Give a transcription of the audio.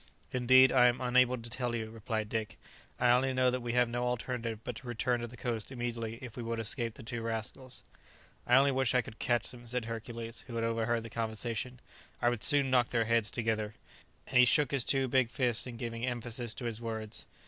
"Indeed I am unable to tell you," replied Dick; "I only know that we have no alternative but to return to the coast immediately if we would escape the two rascals." [Illustration: "Harris has left us"] "I only wish I could catch them," said Hercules, who had overheard the conversation; "I would soon knock their heads together;" and he shook his two fists in giving emphasis to his words.